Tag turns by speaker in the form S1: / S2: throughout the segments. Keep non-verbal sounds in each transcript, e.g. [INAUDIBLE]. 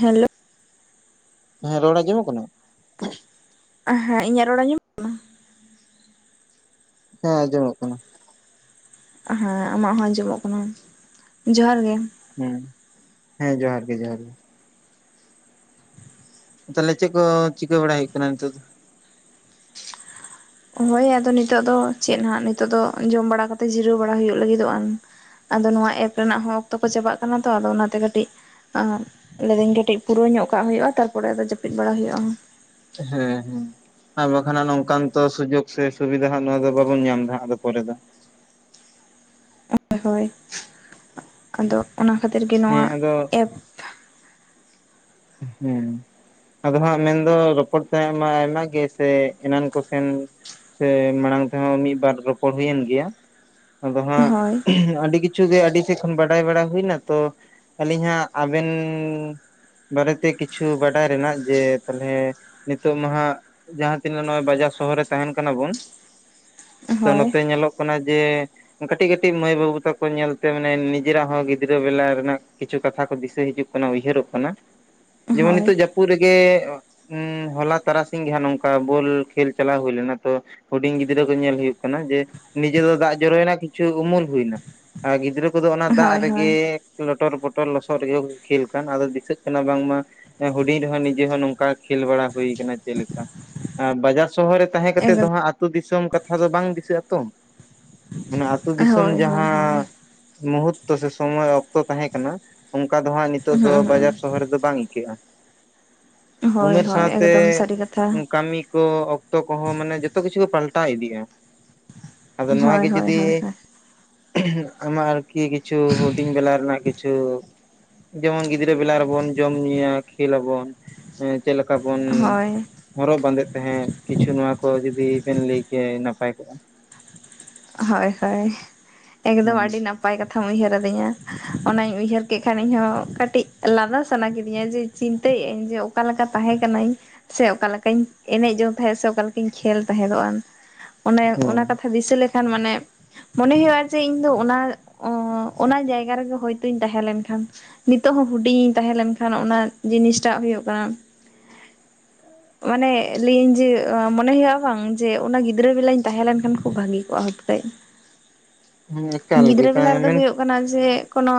S1: Hello
S2: ᱦᱮᱸ, ᱨᱚᱲ ᱟᱸᱡᱚᱢᱚ ᱠᱟᱱᱟ?
S1: ᱦᱮᱸ, ᱤᱧᱟᱹᱜ ᱨᱚᱲ ᱟᱸᱡᱚᱢ ᱠᱟᱱᱟ?
S2: ᱦᱮᱸ, ᱟᱸᱡᱚᱢᱚᱜ ᱠᱟᱱᱟ ᱾
S1: ᱦᱮᱸ ᱟᱢᱟᱜ ᱦᱚᱸ ᱟᱸᱡᱚᱢᱚᱜ ᱠᱟᱱᱟ ᱡᱚᱦᱟᱨ ᱜᱮ᱾
S2: ᱦᱩᱸ ᱦᱮᱸ ᱡᱚᱦᱟᱨ ᱜᱮ ᱡᱚᱦᱟᱨ ᱜᱮ᱾ ᱛᱟᱦᱚᱞᱮ ᱪᱮᱫ ᱠᱚ ᱪᱤᱠᱟᱹ ᱵᱟᱲᱟ ᱦᱩᱭᱩᱜ ᱠᱟᱱᱟ ᱱᱤᱛ ᱫᱚ᱾
S1: ᱦᱳᱭ ᱟᱫᱚ ᱱᱤᱛᱚᱜ ᱫᱚ ᱪᱮᱫ ᱱᱟᱜ ᱱᱤᱛᱚᱜ ᱫᱚ ᱡᱚᱢ ᱵᱟᱲᱟ ᱠᱟᱛᱮ ᱡᱤᱨᱟᱹᱣ ᱵᱟᱲᱟ ᱦᱩᱭᱩᱜ ᱞᱟᱹᱜᱤᱫᱚᱜ ᱟᱱ ᱟᱫᱚ ᱱᱚᱣᱟ ᱮᱯ ᱨᱮᱱᱟᱜ ᱦᱚᱸ ᱚᱠᱛᱚ ᱠᱚ ᱪᱟᱵᱟ ᱠᱟᱱᱟ ᱛᱚ ᱟᱫᱚ ᱚᱱᱟᱛᱮ ᱠᱟᱹᱴᱤᱡ ᱟᱵ ᱞᱟᱹᱭ ᱫᱤᱱ ᱠᱟᱹᱴᱤᱡ ᱯᱩᱨᱟᱹ ᱧᱚᱜ ᱠᱟᱜ ᱦᱩᱭᱩᱜᱼᱟ᱾ ᱛᱟᱨᱯᱚᱨᱮ ᱟᱫᱚ ᱡᱟᱹᱯᱤᱫ ᱵᱟᱲᱟ ᱦᱳᱭᱳᱜᱼᱟ᱾
S2: ᱦᱮᱸ ᱦᱮᱸ᱾ ᱟᱨ ᱵᱟᱠᱷᱟᱱᱜ ᱱᱚᱝᱠᱟᱱ ᱛᱚ ᱥᱩᱡᱳᱜᱽ ᱥᱮ ᱥᱩᱵᱤᱫᱷᱟ ᱦᱚᱸ ᱱᱚᱣᱟ ᱫᱚ ᱵᱟᱵᱚᱱ ᱧᱟᱢ ᱮᱫᱟ ᱟᱫᱚ ᱯᱚᱨᱮ ᱫᱚ᱾
S1: ᱦᱳᱭ ᱦᱳᱭ ᱟᱫᱚ ᱚᱱᱟ ᱠᱷᱟᱹᱛᱤᱨ ᱜᱮ ᱱᱚᱣᱟ
S2: ᱦᱮᱸ ᱟᱫᱚ
S1: ᱮᱯ
S2: ᱦᱩᱸ᱾ ᱟᱫᱚ ᱦᱟᱸᱜ ᱢᱮᱱᱫᱚ ᱨᱚᱯᱚᱲ ᱛᱟᱦᱮᱸ ᱢᱟ ᱟᱭᱢᱟ ᱜᱮ ᱥᱮ ᱮᱱᱟᱱ ᱠᱚᱥᱮᱱ ᱥᱮ ᱢᱟᱲᱟᱝ ᱛᱮᱦᱚᱸ ᱢᱤᱫᱵᱟᱨ ᱨᱚᱯᱚᱲ ᱦᱩᱭᱮᱱ ᱜᱮᱭᱟ ᱟᱫᱚ ᱦᱟᱸᱜ
S1: ᱦᱳᱭ
S2: ᱟᱹᱰᱤ ᱠᱤᱪᱷᱩ ᱠᱤᱪᱷᱩ ᱜᱮ ᱟᱹᱰᱤ ᱥᱮᱫ ᱠᱷᱚᱱ ᱵᱟᱰᱟᱭ ᱵᱟᱲᱟ ᱦᱩᱭᱱᱟ ᱛᱚ, ᱟᱹᱞᱤᱧ ᱦᱟᱜᱸ ᱟᱵᱮᱱ ᱵᱟᱨᱮᱛᱮ ᱠᱤᱪᱷᱩ ᱵᱟᱰᱟᱭ ᱨᱮᱱᱟᱜ ᱡᱮ ᱛᱟᱦᱞᱮ ᱱᱤᱛᱚᱜ ᱢᱟᱦᱟᱸᱜ ᱡᱟᱦᱟᱸ ᱛᱤᱱᱟᱹᱜ ᱱᱚᱜᱼᱚᱭ ᱵᱟᱡᱟᱨ ᱥᱚᱦᱚᱨ ᱨᱮ ᱛᱟᱦᱮᱱ ᱠᱟᱱᱟ ᱵᱚᱱ ᱛᱚ
S1: ᱦᱳᱭ
S2: ᱱᱚᱛᱮ ᱧᱮᱞᱚᱜ ᱠᱟᱱᱟ ᱡᱮ ᱠᱟᱹᱴᱤᱡ ᱠᱟᱹᱴᱤᱡ ᱢᱟᱹᱭ ᱵᱟᱹᱵᱩ ᱛᱟᱠᱚ ᱧᱮᱞᱛᱮ ᱢᱟᱱᱮ ᱱᱤᱡᱮᱨᱟᱜ ᱦᱚᱸ ᱜᱤᱫᱽᱨᱟᱹ ᱵᱮᱞᱟ ᱨᱮᱱᱟᱜ ᱠᱤᱪᱷᱩ ᱠᱟᱛᱷᱟ ᱠᱚ ᱫᱤᱥᱟᱹ ᱦᱤᱡᱩᱜ ᱠᱟᱱᱟ ᱩᱭᱦᱟᱹᱨᱚᱜ ᱠᱟᱱᱟ ᱡᱮᱢᱚᱱ
S1: ᱦᱳᱭ
S2: ᱱᱤᱛᱚᱜ ᱡᱟᱹᱯᱩᱫ ᱨᱮᱜᱮ ᱩᱸ ᱦᱚᱞᱟ ᱛᱟᱨᱟᱥᱤᱧ ᱜᱮ ᱦᱟᱸᱜ ᱱᱚᱝᱠᱟ ᱵᱚᱞ ᱠᱷᱮᱞ ᱪᱟᱞᱟᱣ ᱦᱩᱭ ᱞᱮᱱᱟ ᱛᱚ ᱦᱩᱰᱤᱧ ᱜᱤᱫᱽᱨᱟᱹ ᱠᱚ ᱧᱮᱞ ᱦᱩᱭᱩᱜ ᱠᱟᱱᱟ ᱡᱮ ᱱᱤᱡᱮ ᱫᱚ ᱫᱟᱜ ᱡᱚᱨᱚᱭᱮᱱᱟ ᱠᱤᱪᱷᱩ ᱩᱢᱩᱞ ᱦᱩᱭᱱᱟ ᱟᱨ ᱜᱤᱫᱽᱨᱟᱹ ᱠᱚᱫᱚ ᱚᱱᱟ ᱫᱟᱜ
S1: ᱦᱳᱭ
S2: ᱨᱮᱜᱮ
S1: ᱦᱳᱭ
S2: ᱞᱚᱴᱚᱨ ᱯᱚᱴᱚᱨ ᱞᱚᱥᱚᱫ ᱨᱮᱜᱮ ᱠᱚ ᱠᱷᱮᱞ ᱠᱟᱱ ᱟᱫᱚ ᱫᱤᱥᱟᱹᱜ ᱠᱟᱱᱟ ᱵᱟᱝᱢᱟ ᱦᱩᱰᱤᱧ ᱨᱮᱦᱚᱸ ᱱᱤᱡᱮ ᱦᱚᱸ ᱱᱚᱝᱠᱟ ᱠᱷᱮᱞ ᱵᱟᱲᱟ ᱦᱩᱭ ᱠᱟᱱᱟ ᱪᱮᱫ ᱞᱮᱠᱟ ᱾ ᱟ ᱵᱟᱡᱟᱨ ᱥᱚᱦᱚᱨ ᱨᱮ ᱛᱟᱦᱮᱸ ᱠᱟᱛᱮᱫ ᱫᱚ
S1: ᱮᱠᱫᱚᱢ
S2: ᱦᱟᱸᱜ ᱟᱹᱛᱩ ᱫᱤᱥᱚᱢ ᱠᱟᱛᱷᱟ ᱫᱚ ᱵᱟᱝ ᱫᱤᱥᱟᱹᱜ ᱟᱛᱚ ᱢᱟᱱᱮ ᱟᱹᱛᱩ
S1: ᱦᱳᱭ
S2: ᱫᱤᱥᱚᱢ
S1: ᱦᱳᱭ ᱦᱳᱭ
S2: ᱡᱟᱦᱟᱸ ᱢᱩᱦᱩᱨᱛᱚ ᱥᱮ ᱥᱚᱢᱚᱭ ᱚᱠᱛᱚ ᱛᱟᱦᱮᱸ ᱠᱟᱱᱟ ᱚᱝᱠᱟ ᱫᱚ ᱦᱟᱸᱜ ᱱᱤᱛᱚᱜ
S1: ᱦᱩᱸ
S2: ᱫᱚ
S1: ᱦᱩᱸ
S2: ᱵᱟᱡᱟᱨ ᱠᱚᱨᱮ ᱫᱚ ᱵᱟᱝ ᱟᱹᱠᱟᱹᱜᱼᱟ ᱾
S1: ᱦᱳᱭ
S2: ᱩᱢᱮᱨ
S1: ᱦᱳᱭ ᱮᱠᱫᱚᱢ
S2: ᱥᱟᱶᱛᱮ
S1: ᱥᱟᱹᱨᱤ ᱠᱟᱛᱷᱟ
S2: ᱠᱟᱹᱢᱤ ᱠᱚ ᱚᱠᱛᱚ ᱠᱚᱦᱚᱸ ᱢᱟᱱᱮ ᱡᱚᱛᱚ ᱠᱤᱪᱷᱩ ᱠᱚ ᱯᱟᱞᱴᱟᱣ ᱤᱫᱤᱜᱼᱟ ᱾ ᱟᱫᱚ ᱱᱚᱣᱟ
S1: ᱦᱳᱭ
S2: ᱜᱮ
S1: ᱦᱳᱭ
S2: ᱡᱩᱫᱤ
S1: ᱦᱳᱭ ᱦᱳᱭ
S2: ᱟᱢᱟᱜ ᱟᱨᱠᱤ ᱠᱤᱪᱷᱩ ᱦᱩᱰᱤᱧ ᱵᱮᱞᱟ ᱨᱮᱱᱟᱜ ᱠᱤᱪᱷᱩ ᱡᱮᱢᱚᱱ ᱜᱤᱫᱽᱨᱟᱹ ᱵᱮᱞᱟ ᱵᱚᱱ ᱡᱚᱢ ᱧᱩᱭᱟ ᱠᱷᱮᱞᱟᱵᱚᱱ ᱮᱸ ᱪᱮᱫ ᱞᱮᱠᱟ ᱵᱚᱱ
S1: ᱦᱳᱭ
S2: ᱦᱚᱨᱚᱜ ᱵᱟᱸᱫᱮᱜ ᱛᱟᱦᱮᱸᱫ ᱠᱤᱪᱷᱩ ᱱᱚᱣᱟ ᱠᱚ ᱡᱩᱫᱤ ᱵᱮᱱ ᱞᱟᱹᱭ ᱠᱮᱭᱟ ᱱᱟᱯᱟᱭ ᱠᱚᱜᱼᱟ ᱾
S1: ᱦᱳᱭ ᱦᱳᱭ ᱮᱠᱫᱚᱢ
S2: ᱦᱮᱸ
S1: ᱟᱹᱰᱤ ᱱᱟᱯ ᱱᱟᱯᱟᱭ ᱠᱟᱛᱷᱟᱢ ᱩᱭᱦᱟᱹᱨ ᱟᱹᱫᱤᱧᱟ ᱚᱱᱟᱧ ᱩᱭᱦᱟᱹᱨ ᱠᱮᱜ ᱠᱷᱟᱱ ᱤᱧᱦᱚᱸ ᱠᱟᱹᱴᱤᱡ ᱞᱟᱸᱫᱟ ᱥᱟᱱᱟ ᱠᱮᱫᱤᱧᱟ ᱡᱮ ᱪᱤᱱᱛᱟᱹᱭᱮᱜᱧ ᱡᱮ ᱚᱠᱟᱞᱮᱠᱟ ᱛᱟᱦᱮᱸ ᱠᱟᱹᱱᱟᱹᱧ ᱥᱮ ᱚᱠᱟ ᱞᱮᱠᱟᱧ ᱮᱱᱮᱡ ᱡᱚᱝ ᱛᱟᱦᱮᱸᱜ ᱥᱮ ᱚᱠᱟ ᱞᱮᱠᱟᱧ ᱠᱷᱮᱞ ᱛᱟᱦᱮᱸᱫᱚᱜᱼᱟᱱ ᱾ ᱚᱱᱮ ᱚᱱᱟ
S2: ᱦᱮᱸ
S1: ᱠᱟᱛᱷᱟ ᱫᱤᱥᱟᱹ ᱞᱮᱠᱷᱟᱱ ᱢᱟᱱᱮ ᱢᱚᱱᱮ ᱦᱩᱭᱩᱜᱼᱟ᱾ ᱡᱮ ᱤᱧᱫᱚ ᱚᱱᱟ ᱚᱱᱟ ᱡᱟᱭᱜᱟ ᱨᱮᱜᱮ ᱦᱚᱳᱭᱛᱳᱧ ᱛᱟᱦᱮᱸ ᱞᱮᱱᱠᱷᱟᱱ ᱱᱤᱛᱚᱜ ᱦᱚᱸ ᱦᱩᱰᱤᱧᱤᱧ ᱛᱟᱦᱮᱸ ᱞᱮᱱᱠᱷᱟᱱ ᱚᱱᱟ ᱡᱤᱱᱤᱥᱴᱟᱜ ᱦᱩᱭᱩᱜ ᱠᱟᱱᱟ ᱾
S2: [INAUDIBLE]
S1: ᱢᱟᱱᱮ ᱞᱟᱹᱭ ᱟᱹᱧ ᱡᱮ ᱢᱚᱱᱮ ᱦᱩᱭᱩᱜᱼᱟ᱾ ᱵᱟᱝ ᱡᱮ ᱚᱱᱟ ᱜᱤᱫᱽᱨᱟᱹ ᱵᱮᱞᱟᱧ ᱛᱟᱦᱮᱸᱞᱮᱱᱠᱷᱟᱱ ᱠᱷᱩᱵ ᱵᱷᱟᱜᱤ ᱠᱚᱜ-ᱟ ᱦᱩᱛ ᱠᱟᱹᱡ,
S2: ᱦᱮᱸ ᱮᱠᱟᱞ ᱜᱮ
S1: ᱜᱤᱫᱽᱨᱟᱹ ᱵᱮᱞᱟ
S2: ᱦᱮᱸ
S1: ᱨᱮᱫᱚ
S2: ᱦᱮᱸ
S1: ᱦᱩᱭᱩᱜ ᱠᱟᱱᱟ ᱡᱮ ᱠᱳᱱᱳ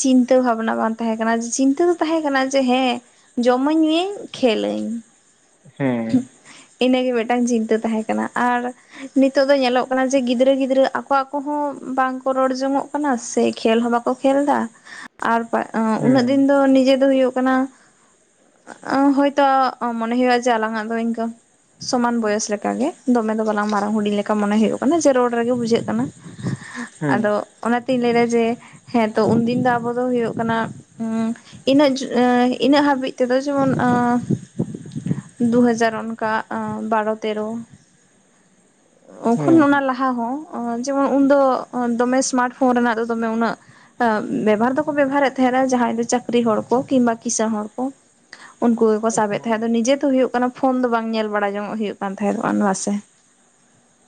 S1: ᱪᱤᱱᱛᱟᱹ ᱵᱷᱟᱵᱱᱟ ᱵᱟᱝ ᱛᱟᱦᱮᱸ ᱠᱟᱱᱟ ᱪᱤᱱᱛᱟᱹ ᱫᱚ ᱛᱟᱦᱮᱸ ᱠᱟᱱᱟ ᱡᱮ ᱦᱮᱸ ᱡᱚᱢᱟᱹᱧ ᱧᱩᱭᱟᱹᱧ ᱠᱷᱮᱞᱟᱹᱧ ᱾ ᱤᱱᱟᱹᱜᱮ ᱢᱮᱴᱟᱝ ᱪᱤᱱᱛᱟᱹ ᱛᱟᱦᱮᱸᱠᱟᱱᱟ᱾ ᱟᱨ ᱱᱤᱛᱳᱜ ᱫᱚ ᱧᱮᱞᱚᱜ ᱠᱟᱱᱟ ᱡᱮ ᱜᱤᱫᱽᱨᱟᱹ ᱜᱤᱫᱽᱨᱟᱹ ᱟᱠᱚ ᱟᱠᱚᱦᱚᱸ ᱵᱟᱝᱠᱚ ᱨᱚᱲ ᱡᱚᱝᱚᱜ ᱠᱟᱱᱟ ᱥᱮ ᱠᱷᱮᱞ ᱦᱚᱸ ᱵᱟᱠᱚ ᱠᱷᱮᱞ ᱫᱟ ᱟᱨ ᱯᱟᱜ ᱩᱱᱟᱹᱜ
S2: ᱦᱮᱸ
S1: ᱫᱤᱱ ᱫᱚ ᱱᱤᱡᱮ ᱫᱚ ᱦᱩᱭᱩᱜ ᱠᱟᱱᱟ ᱟᱸ ᱦᱳᱭᱛᱳ ᱢᱚᱱᱮ ᱦᱩᱭᱩᱜᱼᱟ ᱡᱮ ᱟᱞᱟᱝᱟᱜ ᱫᱚ ᱤᱝᱠᱟᱹ ᱥᱚᱢᱟᱱ ᱵᱚᱭᱚᱥ ᱞᱮᱠᱟᱜ ᱜᱮ ᱫᱚᱢᱮ ᱫᱚ ᱵᱟᱞᱟᱝ ᱢᱟᱨᱟᱝ ᱦᱩᱰᱤᱧ ᱞᱮᱠᱟ ᱢᱚᱱᱮ ᱦᱩᱭᱩᱜ ᱚᱱᱮ ᱡᱮ ᱨᱚᱲ ᱨᱮᱜᱮ ᱵᱩᱡᱷᱟᱹᱜ ᱠᱟᱱᱟ,
S2: ᱦᱮᱸ
S1: ᱟᱫᱚ ᱚᱱᱟ ᱛᱤᱧ ᱞᱟᱹᱭ ᱫᱟ ᱡᱮ ᱦᱮᱸᱛᱚ ᱩᱱ ᱫᱤᱱ ᱫᱚ ᱟᱵᱚ ᱫᱚ ᱦᱩᱭᱩᱜ ᱠᱟᱱᱟ ᱩᱸ ᱤᱱᱟᱹᱜ ᱡᱚ ᱤᱱᱟᱹᱜ ᱦᱟᱹᱵᱤᱡ ᱛᱮᱫᱚ ᱡᱮᱢᱚᱱ ᱫᱩᱦᱟᱡᱟᱨ ᱚᱱᱠᱟ ᱟᱸ ᱵᱟᱨᱚ ᱛᱮᱨᱚ
S2: [INAUDIBLE]
S1: ᱩᱱ ᱚᱱᱟ ᱞᱟᱦᱟ ᱦᱚᱸ ᱚᱸ ᱡᱮᱢᱚᱱ ᱩᱱᱫᱚ ᱫᱚᱢᱮ ᱥᱢᱟᱨᱴ ᱯᱷᱳᱱ ᱨᱮᱱᱟᱜ ᱫᱚ ᱫᱚᱢᱮ ᱩᱱᱟᱹᱜ ᱚᱸ ᱵᱮᱵᱟᱨ ᱫᱚᱠᱚ ᱵᱮᱵᱷᱟᱨᱮᱫ ᱛᱟᱦᱮᱸᱱᱟ ᱡᱟᱦᱟᱸᱭ ᱫᱚ ᱪᱟᱹᱠᱨᱤ ᱦᱚᱲ ᱠᱚ ᱠᱤᱝᱵᱟ ᱠᱤᱥᱟᱹᱬ ᱦᱚᱲ ᱠᱚ᱾ ᱩᱱᱠᱩ ᱜᱮᱠᱚ ᱥᱟᱵᱮᱫ ᱛᱟᱦᱮᱸᱫ ᱟᱫᱚ ᱱᱤᱡᱮ ᱛᱚ ᱦᱩᱭᱩᱜ ᱠᱟᱱᱟ ᱯᱷᱳᱱ ᱫᱚ ᱵᱟᱝ ᱧᱮᱞ ᱵᱟᱲᱟ ᱡᱚᱝᱚᱜ ᱦᱩᱭᱩᱜ ᱠᱟᱱ ᱛᱟᱦᱮᱸᱫ ᱚᱱ ᱱᱚᱣᱟ ᱥᱮ ᱾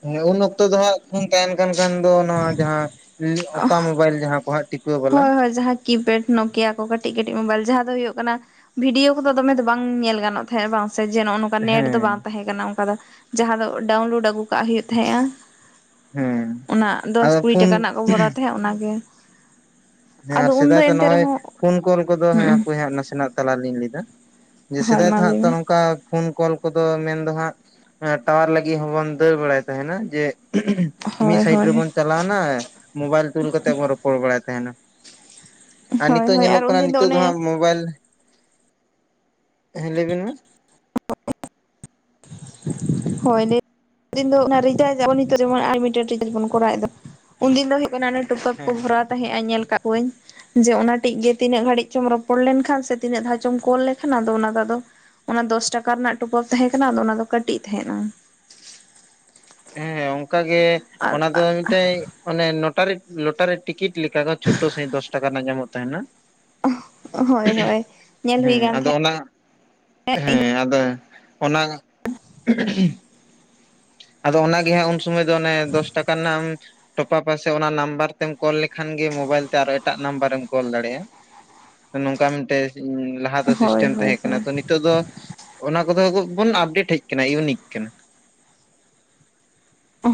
S2: ᱚᱱᱮᱸ ᱩᱱ ᱚᱠᱛᱚ ᱫᱚ ᱦᱟᱜ ᱯᱷᱩᱱ ᱛᱟᱦᱮᱱ ᱠᱟᱱ ᱠᱷᱟᱱ ᱫᱚ ᱱᱚᱣᱟ ᱡᱟᱦᱟᱸ ᱠᱳᱞ ᱚᱛᱟ ᱢᱚᱵᱟᱭᱤᱞ ᱡᱟᱦᱟᱸ ᱠᱚ ᱦᱟᱸᱜ ᱴᱤ
S1: ᱦᱳᱭ ᱦᱳᱭ ᱡᱟᱦᱟᱸ ᱠᱤᱯᱮᱰ ᱱᱚᱠᱮᱭᱟ ᱠᱚ ᱠᱟᱹᱴᱤᱡ ᱠᱟᱹᱴᱤᱡ ᱢᱳᱵᱟᱭᱤᱞ ᱡᱟᱦᱟᱸ ᱫᱚ ᱦᱩᱭᱩᱜ ᱠᱟᱱᱟ ᱵᱷᱤᱰᱤᱭᱳ ᱠᱚᱫᱚ ᱫᱚᱢᱮ ᱫᱚ ᱵᱟᱝ ᱧᱮᱞ ᱜᱟᱱᱚᱜ ᱛᱟᱦᱮᱸᱜ- ᱵᱟᱝ ᱥᱮ ᱡᱮ ᱱᱚᱜᱼᱚ ᱱᱚᱝ ᱚᱱᱠᱟ ᱱᱮᱴ ᱫᱚ ᱵᱟᱝ
S2: ᱦᱮᱸ
S1: ᱛᱟᱦᱮᱸ ᱠᱟᱱᱟ ᱚᱝᱠᱟ ᱫᱚ, ᱡᱟᱦᱟᱸ ᱫᱚ ᱰᱟᱣᱩᱱᱞᱳᱰ ᱟᱹᱜᱩ ᱠᱟᱜ ᱦᱩᱭᱩᱜ ᱛᱟᱦᱮᱸ ᱟᱸ
S2: ᱦᱮᱸ
S1: ᱾ ᱚᱱᱟ ᱫᱚᱥ
S2: ᱟᱫᱚ
S1: ᱠᱩᱲᱤ ᱴᱟᱠᱟ
S2: ᱯᱷᱳᱱ
S1: ᱨᱮᱱᱟᱜ ᱠᱚ ᱵᱷᱚᱨᱟᱣ ᱛᱟᱦᱮᱸᱜ ᱚᱱᱟᱜᱮ ᱾
S2: ᱦᱮᱸ ᱟᱨ ᱥᱮᱫᱟᱭ ᱛᱚ ᱱᱚᱜ ᱚᱭ
S1: ᱨᱮᱦᱚᱸ
S2: ᱯᱷᱳᱱ ᱠᱚᱞ ᱠᱚᱫᱚ ᱦᱮ
S1: ᱦᱩᱸ
S2: ᱦᱟᱸ ᱱᱟᱥᱮᱱᱟᱜ ᱛᱟᱞᱟ ᱞᱤᱧ ᱞᱟᱹᱭᱫᱟ ᱾ ᱡᱮ
S1: ᱦᱳᱭ
S2: ᱥᱮᱫᱟᱭ
S1: ᱢᱟ
S2: ᱫᱚ ᱦᱟᱸᱜ
S1: ᱞᱟᱹᱭ
S2: ᱛᱚ
S1: ᱢᱮ
S2: ᱱᱚᱝᱠᱟ ᱯᱷᱳᱱ ᱠᱚᱞ ᱠᱚᱫᱚ ᱢᱮᱱ ᱫᱚ ᱦᱟᱸᱜ, ᱴᱟᱣᱟᱨ ᱞᱟᱹᱜᱤᱫ ᱦᱚᱸᱵᱚᱱ ᱫᱟᱹᱲ ᱵᱟᱲᱟᱭ ᱛᱟᱦᱮᱱᱟ ᱡᱮ ᱢᱤᱫ
S1: ᱦᱳᱭ
S2: ᱥᱟᱭᱤᱰ
S1: ᱦᱳᱭ
S2: ᱨᱮᱵᱚᱱ ᱪᱟᱞᱟᱣᱱᱟ ᱢᱳᱵᱟᱭᱤᱞ ᱛᱩᱞ ᱠᱟᱛᱮᱜ ᱵᱚᱱ ᱨᱚᱯᱚᱲ ᱵᱟᱲᱟᱭ ᱛᱟᱦᱮᱱᱟ᱾ ᱟᱨ
S1: ᱦᱳᱭ
S2: ᱱᱤᱛᱟᱹᱜ
S1: ᱦᱳᱭ ᱟᱨ
S2: ᱧᱮᱞᱚᱜ ᱠᱟᱱᱟ
S1: ᱩᱱᱫᱤᱱ
S2: ᱱᱤᱛᱟᱹᱜ ᱫᱚ
S1: ᱚᱱᱮ
S2: ᱦᱟᱸᱜ ᱢᱳᱵᱟᱭᱤᱞ ᱦᱮᱸ ᱞᱟᱹᱭᱵᱤᱱ ᱢᱟ᱾
S1: ᱦᱳᱭ ᱞᱟᱹᱭ ᱫᱤᱱ ᱫᱚ ᱨᱤᱪᱟᱨᱡ [UNINTELLIGIBLE] ᱱᱤᱛᱟᱹᱜ ᱡᱮᱢᱚᱱ ᱟᱱᱞᱤᱢᱤᱴᱮᱰ ᱵᱚᱱ ᱠᱚᱨᱟᱣ ᱮᱜ ᱫᱚ ᱾ ᱩᱱᱫᱤᱱ ᱫᱚ ᱦᱳᱭᱳᱜ ᱠᱟᱱᱟ ᱚᱱᱮ ᱴᱚᱯᱟᱯ ᱠᱚ
S2: ᱦᱮᱸ
S1: ᱵᱷᱚᱨᱟᱣ ᱛᱟᱦᱮᱸᱜᱼᱟ ᱧᱮᱞ ᱠᱟᱜ ᱠᱚᱣᱟᱹᱧ ᱾ ᱡᱮ ᱚᱱᱟ ᱴᱤᱡ ᱜᱮ ᱛᱤᱱᱟᱹᱜ ᱜᱷᱟᱹᱲᱤᱡ ᱪᱚᱢ ᱨᱚᱯᱚᱲ ᱞᱮᱱᱠᱷᱟᱱ ᱥᱮ ᱛᱤᱱᱟᱹ ᱫᱷᱟᱣ ᱪᱚᱢ ᱠᱚᱞ ᱞᱮᱠᱷᱟᱱ ᱟᱫᱚ ᱚᱱᱟ ᱫᱚ ᱟᱫᱚ ᱚᱱᱟ ᱫᱚᱥ ᱴᱟᱠᱟ ᱨᱮᱱᱟᱜ ᱴᱚᱯᱟᱯ ᱛᱟᱦᱮᱸ ᱠᱟᱱᱟ ᱟᱫᱚ ᱚᱱᱟ ᱫᱚ ᱠᱟᱹᱴᱤᱡ ᱛᱟᱦᱮᱸᱱᱟ ᱾
S2: ᱦᱮᱸ ᱚᱱᱠᱟᱜᱮ
S1: ᱟᱨ
S2: ᱚᱱᱟ ᱫᱚ ᱢᱤᱫᱴᱮᱡ ᱚᱱᱮ ᱞᱚᱴᱟᱨᱤ ᱞᱚᱴᱟᱨᱤ ᱴᱤᱠᱤᱴ ᱞᱮᱠᱟ ᱪᱷᱳᱴᱳ ᱥᱟᱹᱦᱤᱡ ᱫᱚᱥ ᱴᱟᱠᱟ ᱨᱮᱱᱟᱜ ᱧᱟᱢᱚᱜ ᱛᱟᱦᱮᱱᱟ
S1: ᱦᱳᱭ ᱦᱳᱭ
S2: ᱾
S1: ᱧᱮᱞ ᱦᱩᱭ
S2: ᱦᱮᱸ
S1: ᱠᱟᱱ
S2: ᱟᱫᱚ ᱚᱱᱟ
S1: ᱛᱟᱦᱮᱸᱫ
S2: ᱦᱮᱸ ᱟᱫᱚ ᱚᱱᱟ ᱟᱫᱚ ᱚᱱᱟᱜᱮ ᱦᱟᱜ ᱩᱱ ᱥᱚᱢᱚᱭ ᱫᱚ ᱚᱱᱮ ᱫᱚᱥ ᱴᱟᱠᱟ ᱨᱮᱱᱟᱜ ᱴᱚᱯᱟᱯ ᱟᱥᱮ ᱚᱱᱟ ᱱᱟᱢᱵᱟᱨ ᱛᱮᱢ ᱠᱚᱞ ᱞᱮᱠᱷᱟᱱ ᱜᱮ ᱢᱳᱵᱟᱭᱤᱞ ᱛᱮ ᱟᱨᱚ ᱮᱴᱟᱜ ᱱᱟᱢᱵᱟᱨᱮᱢ ᱠᱚᱞ ᱫᱟᱲᱮᱭᱟᱜᱼᱟ ᱾ ᱱᱚᱝᱠᱟ ᱢᱤᱫᱴᱮᱡ ᱤ ᱞᱟᱦᱟ ᱞᱟᱦᱟ ᱫᱚ
S1: ᱦᱳᱭ
S2: ᱥᱤᱥᱴᱮᱢ
S1: ᱦᱳᱭ
S2: ᱛᱟᱦᱮᱸ ᱠᱟᱱᱟ, ᱛᱚ ᱱᱤᱛᱟᱹᱜ ᱫᱚ ᱚᱱᱟ ᱠᱚᱫᱚ ᱵᱚᱱ ᱟᱯᱰᱮᱴ ᱦᱮᱡ ᱠᱟᱱᱟ ᱤᱭᱩᱱᱤᱠ ᱠᱟᱱᱟ᱾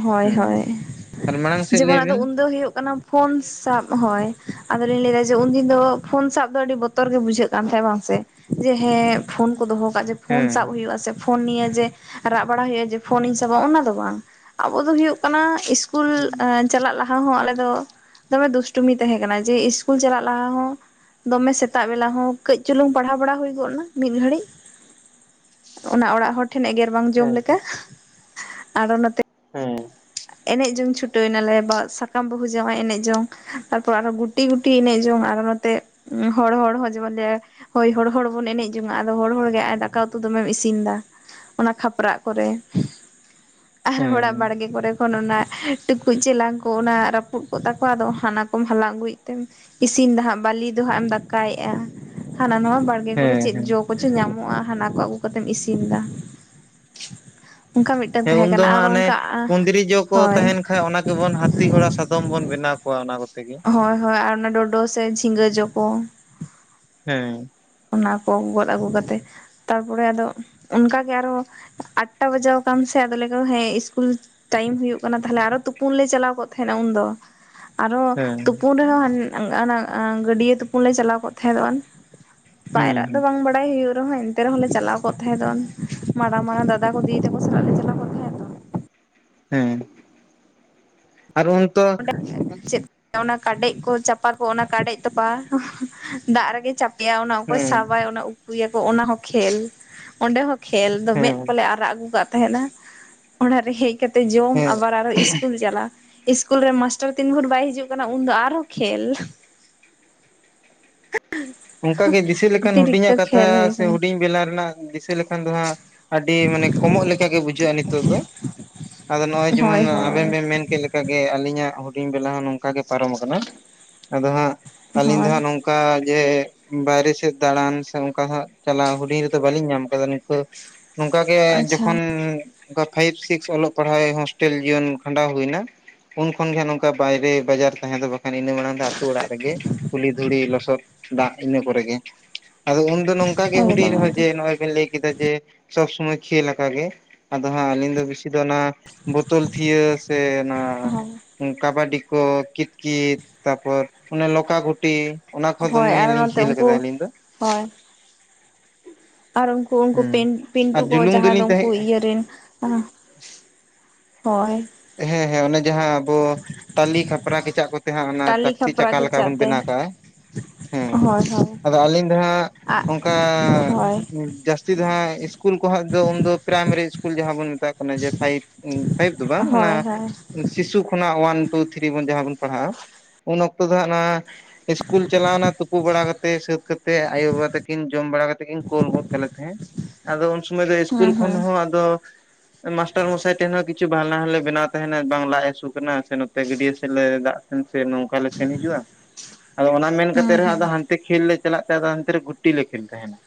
S1: ᱦᱳᱭ
S2: ᱦᱮᱸ
S1: ᱦᱳᱭ
S2: ᱟᱨ ᱢᱟᱲᱟᱝ ᱥᱮᱫ
S1: ᱡᱮᱢᱚᱱ
S2: ᱞᱟᱹᱭ
S1: ᱟᱫᱚ
S2: ᱵᱤᱱ
S1: ᱩᱱᱫᱚ ᱦᱩᱭᱩᱜ ᱠᱟᱱᱟ ᱯᱷᱳᱱ ᱥᱟᱵ ᱦᱳᱭ, ᱟᱫᱚ ᱞᱤᱧ ᱞᱟᱹᱭᱫᱟ ᱡᱮ ᱩᱱᱫᱤᱱ ᱫᱚ ᱯᱷᱳᱱ ᱥᱟᱵ ᱫᱚ ᱟᱹᱰᱤ ᱵᱚᱛᱚᱨ ᱜᱮ ᱵᱩᱡᱷᱟᱹᱜ ᱠᱟᱱ ᱛᱟᱦᱮᱸᱜ ᱵᱟᱝᱥᱮ᱾ ᱡᱮ ᱦᱮᱸ ᱯᱷᱳᱱ ᱠᱚ ᱫᱚᱦᱚ ᱠᱟᱜ ᱡᱮ ᱯᱷᱳᱱ
S2: ᱦᱮᱸ
S1: ᱥᱟᱵ ᱦᱩᱭᱩᱜᱼᱟ ᱥᱮ ᱯᱷᱳᱱ ᱱᱤᱭᱮ ᱡᱮ ᱨᱟᱜ ᱵᱟᱲᱟ ᱦᱩᱭᱩᱜᱼᱟ ᱡᱮ ᱯᱷᱳᱱᱤᱧ ᱥᱟᱵᱟ ᱚᱱᱟ ᱫᱚ ᱵᱟᱝ᱾ ᱟᱵᱚ ᱫᱚ ᱦᱩᱭᱩᱜ ᱠᱟᱱᱟ ᱥᱤᱥᱠᱩᱞ ᱟᱨ ᱪᱟᱞᱟᱜ ᱞᱟᱦᱟ ᱦᱚᱸ ᱟᱞᱮ ᱫᱚ ᱫᱚᱢᱮ ᱫᱩᱥᱴᱚᱢᱤ ᱛᱟᱦᱮᱸ ᱠᱟᱱᱟ, ᱡᱮ ᱤᱥᱠᱩᱞ ᱪᱟᱞᱟᱜ ᱞᱟᱦᱟ ᱦᱚᱸ ᱫᱚᱢᱮ ᱥᱮᱛᱟᱜ ᱵᱮᱞᱟ ᱦᱚᱸ ᱠᱟᱹᱡ ᱪᱩᱞᱩᱝ ᱯᱟᱲᱦᱟᱣ ᱵᱟᱲᱟ ᱦᱩᱭ ᱜᱚᱫ ᱱᱟ ᱢᱤᱫ ᱜᱷᱟᱹᱲᱤᱡ᱾ ᱚᱱᱟ ᱚᱲᱟᱜ ᱦᱚᱲ ᱴᱷᱮᱱ ᱮᱜᱮᱨ ᱵᱟᱝ ᱡᱚᱢ
S2: ᱦᱮᱸ
S1: ᱞᱮᱠᱟ, ᱟᱫᱚ ᱚᱱᱟᱛᱮ
S2: ᱦᱮᱸ᱾
S1: ᱮᱱᱮᱡ ᱡᱚᱝ ᱪᱷᱩᱴᱟᱹᱣ ᱱᱟᱞᱮ, ᱵᱟ ᱥᱟᱠᱟᱢ ᱵᱟᱹᱦᱩ ᱡᱟᱶᱟᱭ ᱮᱱᱮᱡ ᱡᱚᱝ᱾ ᱛᱟᱨᱯᱚᱨ ᱟᱨᱚ ᱜᱩᱴᱤ ᱜᱩᱴᱤ ᱮᱱᱮᱡ ᱡᱚᱝ, ᱟᱨᱚ ᱱᱚᱛᱮ ᱦᱚᱲ ᱦᱚᱲ ᱡᱮᱢᱚᱱ ᱞᱮ ᱦᱳᱭ ᱦᱚᱲ ᱦᱚᱲ ᱵᱚᱱ ᱮᱱᱮᱡ ᱡᱚᱝ-ᱟ ᱟᱫᱚ ᱦᱚᱲ ᱦᱚᱲ ᱜᱮ ᱟᱨ ᱫᱟᱠᱟ ᱩᱛᱩ ᱫᱚᱢᱮᱢ ᱤᱥᱤᱱᱫᱟ ᱾ ᱚᱱᱟ ᱠᱷᱟᱯᱨᱟᱜ ᱠᱚᱨᱮ ᱟᱨ ᱦᱚᱲᱟᱜ
S2: ᱦᱮᱸ
S1: ᱵᱟᱲᱜᱮ ᱠᱚᱨᱮ ᱛᱚᱠᱷᱚᱱ ᱚᱱᱟ ᱴᱩᱠᱩᱡ ᱪᱮᱞᱟᱝ ᱠᱚ ᱚᱱᱟ ᱨᱟᱹᱯᱩᱫ ᱠᱚᱜ ᱛᱟᱠᱚᱣᱟ ᱟᱫᱚ ᱦᱟᱱᱟᱠᱚᱢ ᱦᱟᱞᱟᱝ ᱟᱹᱜᱩᱭᱮᱜ ᱛᱮᱢ ᱤᱥᱤᱱ ᱫᱟ ᱦᱟᱸᱜ ᱵᱟᱹᱞᱤ ᱫᱚ ᱦᱟᱸᱜ ᱮᱢ ᱫᱟᱠᱟᱭᱮᱜᱼᱟ ᱦᱟᱱᱟ ᱱᱚᱣᱟ ᱵᱟᱲ ᱜᱮ ᱠᱚᱨᱮ
S2: ᱦᱮᱸ
S1: ᱪᱮᱫ
S2: ᱦᱮᱸ
S1: ᱡᱚ ᱠᱚᱪᱚ ᱧᱟᱢᱚᱜᱼᱟ ᱦᱟᱸᱱᱟ ᱠᱚ ᱟᱹᱜᱩ ᱠᱟᱛᱮᱢ ᱤᱥᱤᱱᱫᱟ ᱾ ᱚᱱᱠᱟ ᱢᱤᱫᱴᱮᱱ ᱛᱟᱦᱮᱸ ᱠᱟᱱᱟ ᱟᱨ ᱚᱱᱠᱟ
S2: ᱛᱚᱠᱚ
S1: ᱦᱳᱭ
S2: ᱛᱟᱦᱮᱸᱱ ᱠᱷᱟᱡ ᱚᱱᱟ ᱜᱮᱵᱚᱱ ᱦᱟᱹᱛᱤ ᱜᱷᱚᱲᱟ ᱥᱟᱫᱚᱢ ᱵᱚᱱ ᱵᱮᱱᱟᱣ ᱠᱚᱣᱟ ᱚᱱᱟ ᱠᱚ᱾
S1: ᱦᱳᱭ ᱦᱳᱭ ᱟᱨ ᱚᱱᱟ ᱰᱚᱰᱚ ᱥᱮ ᱡᱷᱤᱸᱜᱟᱹ ᱡᱚ ᱠᱚ᱾
S2: ᱦᱮᱸ᱾
S1: ᱚᱱᱟ ᱠᱚ ᱜᱚᱫ ᱟᱹᱜᱩ ᱠᱟᱛᱮ ᱛᱟᱨᱯᱚᱨᱮ ᱟᱫᱚ ᱚᱱᱠᱟᱜᱮ ᱟᱨᱦᱚᱸ ᱟᱴᱴᱟ ᱵᱟᱡᱟᱣ ᱠᱟᱱ ᱥᱮ ᱟᱫᱚ ᱞᱮ ᱟᱠᱚ ᱦᱮᱸ ᱤᱥᱠᱩᱞ ᱴᱟᱭᱤᱢ ᱦᱩᱭᱩᱜ ᱠᱟᱱᱟ ᱛᱟᱦᱚᱞᱮ ᱟᱨᱚ ᱛᱩᱯᱩᱱ ᱞᱮ ᱪᱟᱞᱟᱣ ᱠᱚᱜ ᱛᱟᱦᱮᱸᱱᱟ ᱩᱱᱫᱚ᱾ ᱟᱨᱚ
S2: ᱦᱮᱸ
S1: ᱛᱩᱯᱩᱱ ᱨᱮᱦᱚᱸ ᱦᱟᱸ ᱚᱱᱟ ᱜᱟᱹᱰᱤᱭᱟᱹ ᱛᱩᱯᱩᱱ ᱞᱮ ᱪᱟᱞᱟᱣ ᱠᱚᱜ ᱛᱟᱦᱮᱸ ᱫᱚ [UNINTELLIGIBLE]
S2: ᱦᱩᱸ
S1: ᱯᱟᱭᱨᱟ ᱫᱚ
S2: ᱦᱩᱸ
S1: ᱵᱟᱝ ᱵᱟ ᱵᱟᱰᱟᱭ ᱦᱩᱭᱩᱜ ᱨᱮᱦᱚᱸ ᱮᱱᱛᱮ ᱨᱮᱦᱚᱸ ᱞᱮ ᱪᱟᱞᱟᱣ ᱠᱚᱜ ᱛᱟᱦᱮᱸ ᱫᱚᱱ ᱢᱟᱨᱟᱝ ᱢᱟᱨᱟᱝ ᱫᱟᱫᱟ ᱠᱚ ᱫᱤᱫᱤ ᱛᱟᱠᱚ ᱥᱟᱞᱟᱜ ᱞᱮ ᱪᱟᱞᱟᱣ ᱠᱚᱜ ᱛᱟᱦᱮᱸᱫ ᱛᱚ
S2: ᱦᱮᱸ ᱟᱨ ᱩᱱ
S1: ᱚᱸᱰᱮ ᱪᱮᱫ ᱚᱱᱟ ᱠᱟᱰᱮᱡ ᱠᱚ ᱪᱟ ᱯᱟ ᱠᱚ ᱚᱱᱟ ᱠᱟᱰᱮᱡ ᱛᱚᱯᱟ ᱫᱟᱜ ᱨᱮᱜᱮ ᱪᱟᱯᱮᱜᱼᱟ ᱚᱱᱟ ᱚᱠᱚᱭ
S2: ᱦᱮᱸ
S1: ᱥᱟᱵᱟᱭ ᱚᱱᱟ ᱩᱛᱩᱭᱟᱠᱚ ᱚᱱᱟ ᱦᱚᱸ ᱠᱷᱮᱞ ᱚᱸᱰᱮ ᱦᱚᱸ ᱠᱷᱮᱞ ᱫᱚ ᱢᱮᱫ
S2: ᱦᱮᱸ
S1: ᱠᱚᱞᱮ ᱟᱨᱟᱜ ᱟᱹᱜᱩ ᱠᱟᱜ ᱛᱟᱦᱮᱸᱱᱟ ᱚᱲᱟᱜ ᱨᱮ ᱦᱮᱡ ᱠᱟᱛᱮᱜ ᱡᱚᱢ
S2: ᱦᱮᱸ
S1: ᱟᱵᱟᱨ ᱟᱨᱚ ᱤᱥᱠᱩᱞ ᱪᱟᱞᱟᱜ ᱥᱠᱩᱞ ᱨᱮ ᱢᱟᱥᱴᱟᱨ ᱛᱤᱱ ᱵᱷᱳᱨ ᱵᱟᱭ ᱦᱤᱡᱩᱜ ᱠᱟᱱᱟ ᱩᱱᱫᱚ ᱟᱨᱦᱚᱸ ᱠᱷᱮᱞ᱾
S2: ᱚᱱᱠᱟᱜᱮ ᱫᱤᱥᱟᱹ ᱞᱮᱠᱷᱟᱱ
S1: ᱚᱛᱤᱨᱤᱠᱛᱚ
S2: ᱦᱩᱰᱤᱧᱟᱜ ᱠᱟᱛᱷᱟ
S1: ᱠᱷᱮᱞ ᱦᱩᱭ
S2: ᱥᱮ
S1: ᱠᱟᱱᱟ
S2: ᱦᱩᱰᱤᱧ ᱵᱮᱞᱟ ᱨᱮᱱᱟᱜ ᱫᱤᱥᱟᱹ ᱞᱮᱠᱷᱟᱱ ᱫᱚ ᱦᱟᱸᱜ ᱟᱹᱰᱤ ᱢᱟᱱᱮ ᱠᱚᱢᱚᱜ ᱠᱮᱠᱟᱜᱮ ᱵᱩᱡᱷᱟᱹᱜᱼᱟ ᱱᱤᱛᱚᱜ ᱫᱚ ᱟᱫᱚ ᱱᱚᱸᱜᱼᱚᱭ
S1: ᱦᱳᱭ
S2: ᱡᱮᱢᱚᱱ
S1: ᱦᱳᱭ
S2: ᱟᱵᱮᱱ ᱵᱮᱱ ᱢᱮᱱ ᱠᱮᱫ ᱞᱮ ᱠᱟ ᱜᱮ ᱟᱹᱞᱤᱧᱟᱜ ᱦᱩᱰᱤᱧ ᱵᱮᱞᱟ ᱦᱚᱸ ᱱᱚᱝᱠᱟ ᱜᱮ ᱯᱟᱨᱚᱢ ᱠᱟᱱᱟ ᱟᱫᱚ ᱦᱟᱸᱜ ᱟᱹᱞᱤᱧ ᱫᱚ
S1: ᱦᱳᱭ
S2: ᱦᱟᱸᱜ ᱱᱚᱝ ᱠᱟ ᱡᱮ ᱵᱟᱭᱨᱮ ᱥᱮᱫ ᱫᱟᱬᱟᱱ ᱥᱮ ᱚᱱᱠᱟ ᱦᱟᱸᱜ ᱪᱟᱞᱟᱣ ᱦᱩᱰᱤᱧ ᱨᱮᱫᱚ ᱵᱟᱹᱞᱤᱧ ᱧᱟᱢ ᱠᱟᱫᱟ ᱱᱚᱝ ᱱᱚᱝᱠᱟ ᱜᱮ
S1: ᱟᱪᱪᱷᱟ
S2: ᱡᱚᱠᱷᱚᱱ ᱚᱱᱠᱟ ᱯᱷᱟᱭᱤᱵᱽ ᱥᱤᱠᱥ ᱚᱞᱚᱜ ᱯᱟᱲᱦᱟᱣ ᱦᱳᱥᱴᱮᱞ ᱡᱤᱭᱚᱱ ᱠᱷᱟᱸᱰᱟᱣ ᱦᱩᱭᱱᱟ, ᱩᱱ ᱠᱷᱚᱱᱜᱮ ᱱᱚᱝᱠᱟ ᱵᱟᱭᱨᱮ ᱵᱟᱡᱟᱨ ᱛᱟᱦᱮᱸ ᱫᱚ ᱵᱟᱠᱷᱟᱱ ᱤᱱᱟᱹ ᱢᱟᱲᱟᱝ ᱫᱚ ᱟᱛᱳ ᱚᱲᱟᱜ ᱨᱮᱜᱮ ᱠᱩᱞᱦᱤ ᱫᱷᱩᱲᱤ ᱞᱚᱥᱚᱫ ᱫᱟᱜ ᱤᱱᱟᱹ ᱠᱚᱨᱮ ᱜᱮ, ᱟᱫᱚ ᱩᱱᱫᱚ ᱱᱚᱝᱠᱟ ᱜᱮ ᱦᱩᱰᱤᱧ
S1: ᱮᱠᱫᱚᱢ
S2: ᱨᱮᱦᱚᱸ ᱡᱮ
S1: ᱮᱠᱫᱚᱢ
S2: ᱱᱚᱜ ᱚᱭ ᱵᱮᱱ ᱞᱟᱹᱭ ᱠᱮᱫᱟ ᱡᱮ ᱥᱚᱵ ᱥᱚᱢᱚᱭ ᱠᱷᱮᱞ ᱟᱠᱟ ᱜᱮ ᱟᱫᱚ ᱦᱟᱸᱜ ᱟᱹᱞᱤᱧ ᱫᱚ ᱵᱮᱥᱤ ᱫᱚ ᱚᱱᱟ ᱵᱳᱛᱳᱞ ᱛᱷᱤᱭᱟᱹ ᱥᱮ ᱚᱱᱟ
S1: ᱦᱳᱭ
S2: ᱠᱟᱵᱟᱰᱤ ᱠᱚ ᱠᱤᱛ ᱠᱤᱛ ᱛᱟᱯᱚᱨ ᱚᱱᱮ ᱞᱚᱠᱟ ᱜᱷᱩᱴᱤ ᱚᱱᱟ ᱠᱚ ᱦᱚᱸ ᱫᱚᱢᱮ ᱞᱤᱝ
S1: ᱛᱮ ᱩᱱᱠᱩ ᱦᱳᱭ ᱟᱨ ᱩᱝ ᱠᱩ ᱩᱱᱠᱩ
S2: ᱦᱩᱸ
S1: ᱯᱤᱱ ᱯᱤᱱᱴᱩ
S2: ᱟᱨ
S1: ᱠᱚ
S2: ᱡᱩᱞᱩᱝ
S1: ᱡᱟᱦᱟᱸ ᱫᱚ
S2: ᱫᱚᱞᱤᱧ
S1: ᱩᱱᱠᱩ
S2: ᱛᱟᱦᱮᱸ
S1: ᱤᱭᱟᱹ ᱨᱮᱱ ᱟ ᱦᱳᱭ᱾
S2: ᱦᱮᱸ ᱦᱮᱸ ᱚᱱᱮ ᱡᱟᱦᱟᱸ ᱟᱵᱚ ᱴᱟᱞᱤ ᱠᱷᱟᱯᱨᱟᱜ ᱠᱮᱪᱟᱜ ᱠᱚ ᱛᱮ ᱦᱟᱸᱜ ᱚᱱᱟ
S1: ᱴᱟᱞᱤ
S2: ᱪᱟᱹᱠᱛᱤ
S1: ᱠᱷᱟᱯᱨᱟ
S2: ᱪᱟᱠᱟ ᱞᱮᱠᱟ
S1: ᱠᱮᱪᱟᱜ
S2: ᱵᱚᱱ
S1: ᱛᱮ
S2: ᱵᱮᱱᱟᱣ ᱠᱟᱜᱼᱟ, ᱦᱮᱸ
S1: ᱦᱳᱭ ᱦᱳᱭ
S2: ᱟᱫᱚ ᱟᱹᱞᱤᱧ ᱫᱚ ᱦᱟᱸᱜ
S1: ᱟᱜ
S2: ᱚᱱᱠᱟ
S1: ᱦᱳᱭ
S2: ᱡᱟᱹᱥ ᱛᱤ ᱫᱚ ᱦᱟᱸᱜ ᱤᱥᱠᱩᱞ ᱠᱚᱦᱚ ᱫᱚ ᱩᱱᱫᱚ ᱯᱨᱟᱭᱢᱟᱨᱤ ᱤᱥᱠᱩᱞ ᱡᱟᱦᱟᱸ ᱵᱚᱱ ᱢᱮᱛᱟᱜ ᱠᱟᱱᱟ ᱡᱮ ᱯᱷᱟᱭᱤᱵ ᱯᱷᱟᱭᱤᱵ ᱫᱚ ᱵᱟᱝ ᱚᱱᱟ
S1: ᱦᱳᱭ ᱦᱳᱭ
S2: ᱥᱤᱥᱩ ᱠᱷᱚᱱᱟᱜ ᱚᱳᱣᱟᱱ ᱴᱩ ᱛᱷᱨᱤ ᱵᱚᱱ ᱡᱟᱦᱟᱸ ᱵᱚᱱ ᱯᱟᱲᱦᱟᱜᱼᱟ, ᱩᱱ ᱚᱠᱛᱚ ᱫᱚ ᱦᱟᱸᱜ ᱱᱚᱣᱟ ᱤᱥᱠᱩᱞ ᱪᱟᱞᱟᱣ ᱱᱟ ᱛᱩᱯᱩ ᱵᱟᱲᱟ ᱠᱟᱛᱮ ᱥᱟᱹᱛ ᱠᱟᱛᱮᱫ ᱟᱭᱳ ᱵᱟᱵᱟ ᱛᱟᱹᱠᱤᱱ ᱡᱚᱢ ᱵᱟᱲᱟ ᱠᱟᱛᱮᱫ ᱠᱤᱱ ᱠᱳᱞ ᱜᱚᱫ ᱠᱟᱞᱮ ᱛᱟᱦᱮᱸᱜ᱾ ᱟᱫᱚ ᱩᱱᱥᱩᱢᱚᱭ ᱫᱚ ᱤᱥᱠᱩᱞ
S1: ᱦᱩᱸ
S2: ᱠᱷᱚᱱ
S1: ᱦᱩᱸ
S2: ᱦᱚᱸ ᱟᱫᱚ ᱢᱟᱥᱴᱟᱨ ᱢᱚᱥᱟᱭ ᱴᱷᱮᱱ ᱦᱚᱸ ᱠᱤᱪᱷᱩ ᱵᱷᱟᱱᱟ ᱦᱚᱸᱞᱮ ᱵᱮᱱᱟᱣ ᱛᱟᱦᱮᱸᱱᱟ ᱵᱟᱝ ᱞᱟᱡ ᱦᱟᱹᱥᱩ ᱠᱟᱱᱟ ᱥᱮ ᱱᱚᱛᱮ ᱜᱟᱹᱰᱭᱟᱹ ᱥᱮᱫ ᱫᱟᱜ ᱥᱮᱱ ᱥᱮ ᱱᱚᱝᱠᱟ ᱞᱮ ᱥᱮᱱ ᱦᱤᱡᱩᱜᱼᱟ ᱾ ᱟᱫᱚ ᱚᱱᱟ ᱢᱮᱱ
S1: ᱦᱩᱸ
S2: ᱠᱟᱛᱮᱫ ᱨᱮᱦᱚᱸ
S1: ᱦᱩᱸ
S2: ᱟᱫᱚ ᱦᱟᱱᱛᱮ ᱠᱷᱮᱞ ᱞᱮ ᱪᱟᱞᱟᱜ ᱛᱮ ᱟᱫᱚ ᱦᱟᱱᱛᱮ ᱨᱮ ᱜᱩᱴᱤ ᱞᱮ ᱠᱷᱮᱞ ᱛᱟᱦᱮᱸᱱᱟ᱾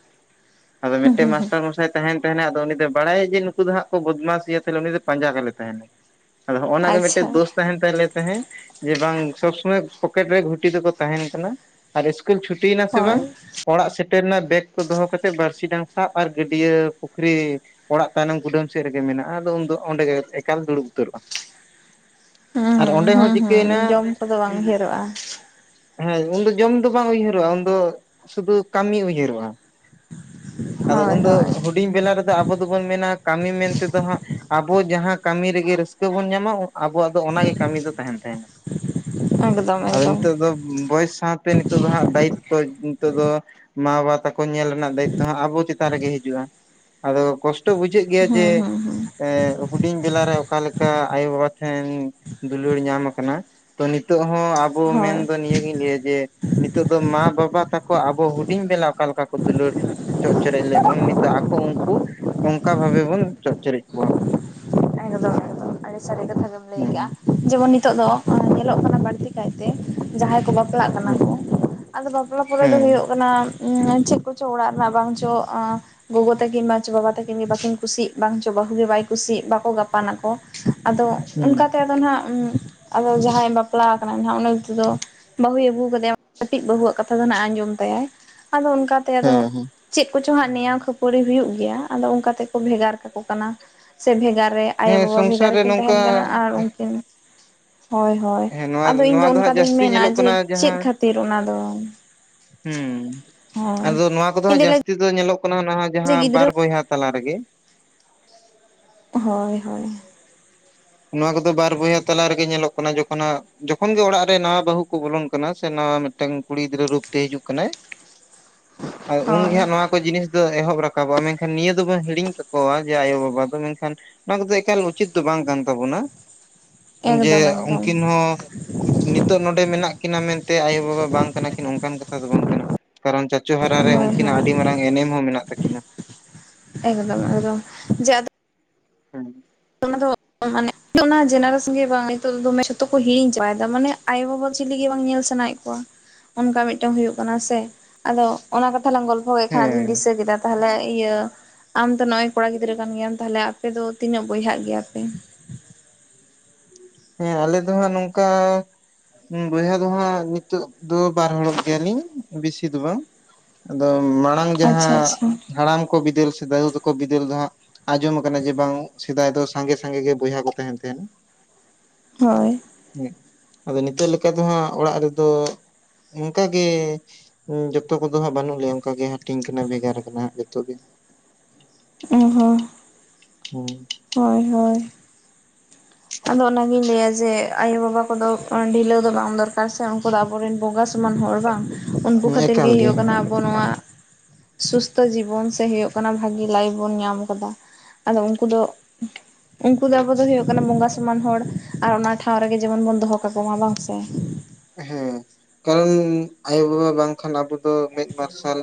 S2: ᱟᱫᱚ ᱢᱤᱫᱴᱮᱡ ᱢᱟᱥᱴᱟᱨ ᱢᱚᱥᱟᱭ ᱛᱟᱦᱮᱸᱱ ᱛᱟᱦᱮᱸᱱᱟ ᱟᱫᱚ ᱩᱱᱤ ᱫᱚᱭ ᱵᱟᱲᱟᱭᱟ ᱡᱮ ᱱᱩᱠᱩ ᱫᱚ ᱦᱟᱸᱜ ᱠᱚ ᱵᱚᱫᱢᱟᱥᱮᱭᱟ ᱛᱟᱦᱚᱞᱮ ᱩᱱᱤ ᱫᱚ ᱯᱟᱸᱡᱟ ᱠᱟᱞᱮ ᱛᱟᱦᱮᱸᱱᱟ ᱾ ᱟᱫᱚ ᱦᱚᱸᱜ-ᱚᱱᱟ ᱜᱮ ᱢᱤᱫᱴᱮᱡ
S1: ᱟᱪᱪᱷᱟ
S2: ᱫᱳᱥ ᱛᱟᱦᱮᱸᱱ ᱟᱞᱮ ᱛᱟᱦᱮᱸᱫ ᱡᱮ ᱵᱟᱝ ᱥᱚᱵ ᱥᱚᱢᱚᱭ ᱯᱚᱠᱮᱴ ᱨᱮ ᱜᱷᱩᱴᱤ ᱫᱚᱠᱚ ᱛᱟᱦᱮᱸᱱ ᱠᱟᱱᱟ ᱟᱨ ᱤᱥᱠ ᱠᱩᱞ ᱪᱷᱩᱴᱤᱭᱱᱟ ᱥᱮ
S1: ᱦᱳᱭ
S2: ᱵᱟᱝ ᱚᱲᱟᱜ ᱥᱮᱫ ᱴᱮᱱ ᱨᱮᱱᱟᱜ ᱵᱮᱜᱽ ᱠᱚ ᱫᱚᱦᱚ ᱠᱟᱛᱮᱫ ᱵᱟᱨᱥᱤ ᱰᱟᱝ ᱥᱟᱵ ᱟᱨ ᱜᱟᱹᱰᱭᱟᱹ ᱯᱩᱠᱷᱨᱤ ᱚᱲᱟᱜ ᱛᱟᱭᱱᱚᱢ ᱠᱩᱰᱟᱹᱢ ᱥᱮᱫ ᱨᱮᱜᱮ ᱢᱮᱱᱟᱜᱼᱟ ᱟᱫᱚ ᱩᱱᱫᱚ ᱚᱸᱰᱮ ᱜᱮ ᱮᱠᱟᱞ ᱫᱩᱲᱩᱵ ᱩᱛᱟᱹᱨᱚᱜᱼᱟ ᱾
S1: ᱦᱩᱸ
S2: ᱟᱨ
S1: ᱦᱩᱸ
S2: ᱚᱸᱰᱮ
S1: ᱦᱩᱸ
S2: ᱦᱚᱸ
S1: ᱦᱩᱸ
S2: ᱪᱤᱠᱟᱹᱭᱮᱱᱟ
S1: ᱡᱚᱢ ᱠᱚᱫᱚ ᱵᱟᱝ ᱰᱷᱮᱨᱚᱜᱼᱟ
S2: ᱦᱮᱸ ᱩᱱᱫᱚ ᱡᱚᱢ ᱫᱚ ᱵᱟᱝ ᱩᱭᱦᱟᱹᱨᱚᱜᱼᱟ ᱩᱱᱫᱚ ᱥᱩᱫᱩ ᱠᱟᱹᱢᱤ ᱩᱭᱦᱟᱹᱨᱚᱜᱼᱟ ᱾ ᱟᱫᱚ
S1: ᱦᱳᱭ
S2: ᱩᱱᱫᱚ
S1: ᱦᱳᱭ
S2: ᱦᱩᱰᱤᱧ ᱵᱮᱞᱟ ᱨᱮᱫᱚ ᱟᱵᱚ ᱫᱚᱵᱚᱱ ᱢᱮᱱᱟ ᱠᱟᱹᱢᱤ ᱢᱮᱱ ᱛᱮᱫᱚ ᱦᱟᱸᱜ ᱟᱵᱚ ᱡᱟᱦᱟᱸ ᱠᱟᱹᱢᱤ ᱨᱮᱜᱮ ᱨᱟᱹᱥᱠᱟᱹ ᱵᱚᱱ ᱧᱟᱢᱟ ᱟᱵᱚᱣᱟᱜ ᱫᱚ ᱚᱱᱟᱜᱮ ᱠᱟᱹᱢᱤ ᱫᱚ ᱛᱟᱦᱮᱸᱱ ᱛᱟᱦᱮᱸᱱᱟ
S1: ᱮᱠᱫᱚᱢ
S2: ᱾ ᱟᱫᱚ
S1: ᱮᱠᱫᱚᱢ
S2: ᱱᱤᱛᱚᱜ ᱫᱚ ᱵᱚᱭᱮᱥ ᱥᱟᱛ ᱛᱮ ᱱᱤᱛᱚᱜ ᱫᱚ ᱦᱟᱸᱜ ᱫᱟᱭᱤᱛᱛᱚ ᱱᱤᱛᱚᱜ ᱫᱚ ᱢᱟ ᱵᱟᱵᱟ ᱛᱟᱠᱚ ᱧᱮᱞ ᱨᱮᱱᱟᱜ ᱫᱟᱭᱤᱛᱛᱚ ᱦᱚᱸᱜ ᱟᱵᱚ ᱪᱮᱛᱟᱱ ᱨᱮᱜᱮ ᱦᱤᱡᱩᱜᱼᱟ ᱟᱫᱚ ᱠᱚᱥ ᱴᱚ ᱵᱩᱡᱷᱟᱹᱜ ᱜᱮᱭᱟ ᱡᱮ
S1: ᱦᱩᱸ ᱦᱩᱸ ᱦᱩᱸ
S2: ᱮᱸ ᱦᱩᱰᱤᱧ ᱵᱮᱞᱟᱨᱮ ᱚᱠᱟᱞᱮᱠᱟ ᱟᱭᱳᱼ ᱵᱟᱵᱟ ᱴᱷᱮᱱ ᱫᱩᱞᱟᱹᱲ ᱧᱟᱢ ᱟᱠᱟᱱᱟ ᱾ ᱛᱚ ᱱᱤᱛᱚᱜ ᱦᱚᱸ ᱟᱵᱚ
S1: ᱦᱳᱭ
S2: ᱢᱮᱱᱫᱚ ᱱᱤᱭᱟᱹᱜᱤᱧ ᱞᱟᱹᱭᱟ ᱡᱮ ᱱᱤᱛᱚᱜ ᱫᱚ ᱢᱟ ᱵᱟᱵᱟ ᱛᱟᱠᱚ ᱟᱵᱚ ᱦᱩᱰᱤᱧ ᱵᱮᱞᱟ ᱚᱠᱟ ᱞᱮᱠᱟ ᱠᱚ ᱫᱩᱞᱟᱹᱲ ᱪᱚᱜ ᱪᱮᱨᱮᱡ ᱞᱮᱜ ᱵᱚᱱ ᱱᱤᱛᱚᱜ ᱟᱠᱚ ᱩᱱᱠᱩ ᱚᱱᱠᱟ ᱵᱷᱟᱵᱮ ᱵᱚᱱ ᱪᱚᱜ ᱪᱮᱨᱮᱡ ᱠᱚᱣᱟ ᱾
S1: ᱮᱠᱫᱚᱢ ᱮᱠᱫᱚᱢ ᱟᱹᱰᱤ ᱥᱟᱹᱨᱤ ᱠᱟᱛᱷᱟ ᱜᱮᱢ ᱞᱟᱹᱭ ᱠᱟᱜᱼᱟ
S2: ᱦᱩᱸ
S1: ᱡᱮᱢᱚᱱ ᱱᱤᱛᱚᱜ ᱫᱚ
S2: ᱦᱩᱸ
S1: ᱧᱮᱞᱚᱜ ᱠᱟᱱᱟ ᱵᱟᱹᱲᱛᱤ ᱠᱟᱭᱛᱮ ᱡᱟᱦᱟᱸᱭ ᱠᱚ ᱵᱟᱯᱞᱟᱜ ᱠᱟᱱᱟ
S2: ᱦᱩᱸ
S1: ᱠᱚ᱾ ᱟᱫᱚ ᱵᱟᱯᱞᱟ ᱯᱚᱨᱮ ᱫᱚ ᱦᱩᱭᱩᱜ ᱠᱟᱱᱟ ᱪᱮᱫ ᱠᱚᱪᱚᱝ ᱚᱲᱟᱜ ᱨᱮᱱᱟᱜ ᱵᱟᱝ ᱪᱚ ᱟᱸ ᱜᱚᱜᱚ ᱛᱟᱹᱠᱤᱱ ᱵᱟᱪᱚ ᱵᱟᱵᱟ ᱛᱟᱹᱠᱤᱱ ᱜᱮ ᱵᱟᱠᱤᱱ ᱠᱩᱥᱤᱜ ᱵᱟᱝ ᱪᱚ ᱵᱟᱹᱦᱩ ᱜᱮ ᱵᱟᱭ ᱠᱩᱥᱤᱜ ᱵᱟᱠᱚ ᱜᱟᱯᱟᱱ ᱟᱠᱚ ᱟᱫᱚ
S2: ᱦᱩᱸ
S1: ᱚᱱᱠᱟ ᱛᱮ ᱟᱫᱚ ᱱᱟᱦᱟᱸᱜ ᱟᱫᱚ ᱡᱟᱦᱟᱸᱭ ᱵᱟᱯᱞᱟ ᱟᱠᱟᱱᱟ ᱩᱱᱤᱭᱟᱜ ᱞᱟᱹᱭ ᱛᱮᱫᱚ ᱵᱟᱹᱦᱩᱭ ᱟᱹᱜᱩ ᱟᱠᱟᱫᱮᱭᱟ ᱠᱟᱹᱴᱤᱡ ᱵᱟᱹᱦᱩ ᱟᱜ ᱠᱟᱛᱷᱟ ᱫᱚ ᱱᱟᱸᱦᱟᱜ ᱮ ᱟᱸᱡᱚᱢ ᱛᱟᱭᱟᱭ᱾ ᱟᱫᱚ ᱚᱱᱠᱟ ᱛᱮ ᱟᱫᱚ
S2: ᱦᱮᱸ ᱦᱮᱸ
S1: ᱪᱮᱫ ᱠᱚ ᱠᱚᱪᱚ ᱦᱟᱸᱜ ᱱᱮᱭᱟᱣ ᱠᱷᱟᱹᱯᱟᱹᱨᱤ ᱦᱩᱭᱩᱜ ᱜᱮᱭᱟ ᱟᱫᱚ ᱚᱱᱠᱟ ᱛᱮᱠᱚ ᱵᱷᱮᱜᱟᱨ ᱠᱟᱠᱚ ᱠᱟᱱᱟ ᱥᱮ ᱵᱷᱮᱜᱟᱨ ᱨᱮ
S2: ᱦᱮᱸ
S1: ᱟᱭᱳᱼᱵᱟᱵᱟ ᱵᱷᱮᱜᱟᱨ
S2: ᱥᱚᱝᱥᱟᱨ ᱨᱮ
S1: ᱨᱮᱠᱤᱱ
S2: ᱱᱚᱝᱠᱟ
S1: ᱛᱟᱦᱮᱱ ᱠᱟᱱᱟ ᱟᱨ ᱩᱱᱠᱤᱱ ᱦᱳᱭ ᱦᱳᱭ
S2: ᱦᱮᱸ ᱱᱚᱣᱟ
S1: ᱟᱫᱚ ᱤᱧᱫᱚ
S2: ᱱᱚᱣᱟ ᱫᱚ
S1: ᱚᱱᱠᱟ
S2: ᱦᱟᱸᱜ
S1: ᱫᱩᱧ
S2: ᱡᱟᱹᱥᱛᱤ
S1: ᱢᱮᱱᱟ
S2: ᱧᱮᱞᱚᱜ
S1: ᱡᱮ
S2: ᱠᱟᱱᱟ
S1: ᱪᱮᱫ
S2: ᱡᱟᱦᱟᱸ
S1: ᱠᱷᱟᱹᱛᱤᱨ ᱚᱱᱟ ᱫᱚ
S2: ᱦᱩᱸ
S1: ᱦᱳᱭ
S2: ᱟᱫᱚ ᱱᱚᱣᱟ ᱠᱚᱫᱚ
S1: ᱤᱧ
S2: ᱦᱟᱸᱜ
S1: ᱫᱚᱧ ᱞᱟᱹᱭ
S2: ᱡᱟᱹᱥᱛᱤ ᱫᱚ ᱧᱮᱞᱚᱜ ᱠᱟᱱᱟ
S1: ᱡᱮ
S2: ᱡᱟᱦᱟᱸ
S1: ᱜᱤᱫᱽᱨᱟᱹ
S2: ᱵᱟᱨ ᱵᱚᱭᱦᱟ ᱛᱟᱞᱟ ᱨᱮᱜᱮ
S1: ᱦᱳᱭ ᱦᱳᱭ᱾
S2: ᱱᱚᱣᱟ ᱠᱚᱫᱚ ᱵᱟᱨ ᱵᱚᱭᱦᱟ ᱛᱟᱞᱟ ᱨᱮᱜᱮ ᱧᱮᱞᱚᱜ ᱠᱟᱱᱟ ᱡᱚᱠᱷᱚᱱ ᱦᱟᱸᱜ ᱡᱚᱠᱷᱚᱱ ᱜᱮ ᱚᱲᱟᱜ ᱨᱮ ᱱᱟᱣᱟ ᱵᱟᱹᱦᱩ ᱠᱚ ᱵᱚᱞᱚᱱ ᱠᱟᱱᱟ ᱥᱮ ᱱᱟᱣᱟ ᱢᱤᱫ ᱢᱤᱫᱴᱟᱝ ᱠᱩᱲᱤ ᱜᱤᱫᱽᱨᱟᱹ ᱨᱩᱯ ᱛᱮ ᱦᱤᱡᱩᱜ ᱠᱟᱱᱟᱭ ᱟᱫᱚ
S1: ᱦᱳᱭ
S2: ᱩᱱᱜᱮ ᱦᱟᱸᱜ ᱱᱚᱣᱟ ᱠᱚ ᱡᱤᱱᱤᱥ ᱫᱚ ᱮᱦᱚᱵ ᱨᱟᱠᱟᱵᱚᱜᱼᱟ ᱢᱮᱱᱠᱷᱟᱱ ᱱᱤᱭᱟᱹ ᱫᱚᱵᱚᱱ ᱦᱤᱲᱤᱧ ᱠᱟᱠᱚᱣᱟ ᱡᱮ ᱟᱭᱳ ᱵᱟᱵᱟ ᱫᱚ ᱢᱮᱱᱠᱷᱟᱱ ᱚᱱᱟ ᱠᱚᱫᱚ ᱮᱠᱟᱞ ᱩᱪᱤᱛ ᱫᱚ ᱵᱟᱝ ᱠᱟᱱ ᱛᱟᱵᱚᱱᱟ ᱡᱮ
S1: ᱮᱠᱫᱚᱢ ᱮᱠᱫᱚᱢ
S2: ᱩᱱᱠᱤᱱ ᱦᱚᱸ ᱱᱤᱛᱚᱜ ᱱᱚᱸᱰᱮ ᱢᱮᱱᱟᱜ ᱠᱤᱱᱟ ᱢᱮᱱᱛᱮ ᱟᱭᱳ ᱵᱟᱵᱟ ᱵᱟᱝ ᱠᱟᱱᱟ ᱠᱤᱱ ᱚᱱᱠᱟᱱ ᱠᱟᱛᱷᱟ ᱫᱚ ᱵᱟᱝ ᱠᱟᱱᱟ᱾ ᱠᱟᱨᱚᱱ ᱪᱟᱪᱳ ᱦᱟᱨᱟ ᱨᱮ
S1: ᱦᱳᱭ
S2: ᱩᱱᱠᱤᱱᱟᱜ
S1: ᱦᱳᱭ
S2: ᱟᱹᱰᱤ ᱢᱟᱨᱟᱝ ᱮᱱᱮᱢ ᱦᱚᱸ ᱢᱮᱱᱟᱜ ᱛᱟᱹᱠᱤᱱᱟ᱾
S1: ᱮᱠᱫᱚᱢ ᱮᱠᱫᱚᱢ ᱡᱮ ᱟᱫᱚ
S2: ᱦᱮᱸ
S1: ᱚᱱᱟ ᱫᱚ ᱢᱟᱱᱮ ᱚᱱᱟ ᱡᱮᱱᱟᱨᱮᱥᱚᱱ ᱜᱮ ᱵᱟᱝ ᱱᱤᱛᱳᱜ ᱫᱚ ᱫᱚᱢᱮ ᱡᱷᱚᱛᱚ ᱠᱚ ᱦᱤᱲᱤᱧ ᱪᱟᱵᱟᱭ ᱮᱫᱟ ᱢᱟᱱᱮ ᱟᱭᱳ ᱵᱟᱵᱟ ᱪᱤᱞᱤ ᱜᱮ ᱵᱟᱝ ᱧᱮᱞ ᱥᱟᱱᱟᱭᱮᱫ ᱠᱚᱣᱟ᱾ ᱚᱱᱠᱟ ᱢᱤᱫᱴᱟᱝ ᱦᱩᱭᱩᱜ ᱠᱟᱱᱟ ᱥᱮ ᱟᱫᱚ ᱚᱱᱟ ᱠᱟᱛᱷᱟ ᱞᱟᱝ ᱜᱚᱞᱯᱚ ᱠᱮᱫ ᱠᱷᱟᱱ ᱟᱫᱚᱧ
S2: ᱦᱮᱸ
S1: ᱫᱤᱥᱟᱹ ᱠᱮᱫᱟ᱾ ᱛᱟᱦᱚᱞᱮ ᱤᱭᱟᱹ ᱟᱢ ᱫᱚ ᱱᱚᱸᱜᱼᱚᱭ ᱠᱚᱲᱟ ᱜᱤᱫᱽᱨᱟᱹ ᱠᱟᱱ ᱜᱮᱭᱟᱢ ᱛᱟᱦᱚᱞᱮ ᱟᱯᱮ ᱫᱚ ᱛᱤᱱᱟᱹᱜ ᱵᱚᱭᱦᱟᱜ ᱜᱮᱭᱟᱜ ᱯᱮ?
S2: ᱦᱮᱸ ᱟᱞᱮ ᱫᱚ ᱦᱟᱸᱜ ᱱᱚᱝᱠᱟ ᱵᱚᱭᱦᱟ ᱫᱚ ᱦᱟᱸᱜ ᱱᱤᱛᱚᱜ ᱫᱚ ᱵᱟᱨ ᱦᱚᱲᱚᱜ ᱜᱮᱭᱟᱞᱤᱧ ᱵᱤᱥᱤ ᱫᱚ ᱵᱟᱝ᱾ ᱟᱫᱚ ᱢᱟᱲᱟᱝ
S1: ᱟᱪᱪᱷᱟ
S2: ᱡᱟᱦᱟᱸ
S1: ᱟᱪᱪᱷᱟ
S2: ᱦᱟᱲᱟᱢ ᱠᱚ ᱵᱤᱫᱟᱹᱞ ᱥᱮ ᱫᱟᱹᱫᱩ ᱛᱟᱠᱚ ᱵᱤᱫᱟᱹᱞ ᱫᱚ ᱦᱟᱸᱜᱼᱼ ᱟᱸᱡᱚᱢ ᱠᱟᱱᱟ ᱡᱮ ᱵᱟᱝ ᱥᱮᱫᱟᱭ ᱫᱚ ᱥᱟᱸᱜᱮ ᱥᱟᱸᱜᱮ ᱜᱮ ᱵᱚᱭᱦᱟ ᱠᱚ ᱛᱟᱦᱮᱸᱱ ᱛᱟᱦᱮᱸᱫ᱾
S1: ᱦᱳᱭ
S2: ᱦᱮᱸ ᱟᱫᱚ ᱱᱤᱛᱚᱜ ᱞᱮᱠᱟ ᱫᱚ ᱦᱟᱸᱜ ᱚᱲᱟᱜ ᱨᱮᱫᱚ ᱚᱱᱠᱟ ᱜᱮᱼᱼ ᱡᱚᱛᱚ ᱠᱚᱫᱚ ᱦᱟᱸᱜ ᱵᱟᱹᱱᱩᱜ ᱞᱮᱭᱟ ᱚᱱᱠᱟᱜᱮ ᱦᱟᱹᱴᱤᱧ ᱠᱟᱱᱟ ᱵᱷᱮᱜᱟᱨ ᱠᱟᱱᱟ ᱡᱚᱛᱚ ᱜᱮ᱾
S1: ᱚ ᱦᱚᱸ
S2: ᱦᱩᱸ
S1: ᱦᱳᱭ ᱦᱳᱭ ᱟᱫᱚ ᱚᱱᱟᱜᱤᱧ ᱞᱟᱹᱭᱟ ᱡᱮ ᱟᱭᱳ ᱵᱟᱵᱟ ᱠᱚᱫᱚ ᱰᱷᱤᱞᱟᱹᱣ ᱫᱚ ᱵᱟᱝ ᱫᱚᱨᱠᱟᱨ ᱥᱮ ᱩᱱᱠᱩ ᱫᱚ ᱟᱵᱚᱼᱼ ᱟᱵᱚ ᱨᱮᱱ ᱵᱚᱸᱜᱟ ᱥᱚᱢᱟᱱ ᱦᱚᱲ ᱵᱟᱝ ᱩᱱᱠᱩ ᱠᱷᱟᱹᱛᱤᱨ ᱜᱮ ᱦᱩᱭᱩᱜ ᱠᱟᱱᱟ ᱟᱵᱚ ᱱᱚᱣᱟᱼᱼ ᱥᱩᱥᱛᱷᱚ ᱡᱤᱵᱚᱱ ᱥᱮ ᱦᱳᱭᱳᱜ ᱠᱟᱱᱟ ᱵᱷᱟᱹᱜᱤ ᱞᱟᱭᱤᱯᱷ ᱵᱚᱱ ᱧᱟᱢ ᱠᱟᱫᱟ᱾ ᱟᱫᱚ ᱩᱱᱠᱩ ᱫᱚ ᱩᱱᱠᱩ ᱫᱚ ᱟᱵᱚ ᱫᱚ ᱦᱩᱭᱩᱜ ᱠᱟᱱᱟ ᱵᱚᱸᱜᱟᱼᱼ ᱥᱚᱢᱟᱱ ᱦᱚᱲ ᱟᱨ ᱚᱱᱟ ᱴᱷᱟᱶ ᱨᱮᱜᱮ ᱡᱮᱢᱚᱱ ᱵᱚᱱ ᱫᱚᱦᱚ ᱠᱟᱠᱚ ᱢᱟ ᱵᱟᱝ ᱥᱮ᱾
S2: ᱦᱮᱸ ᱠᱟᱨᱚᱱ ᱟᱭᱳ ᱵᱟᱵᱟ ᱵᱟᱝ ᱠᱷᱟᱱ ᱟᱵᱚ ᱫᱚ ᱢᱮᱫ ᱢᱟᱨᱥᱟᱞ